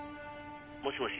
☎もしもし？